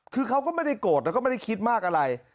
คือเขาก็ไม่ได้โกรธแล้วก็ไม่ได้คิดมากอะไร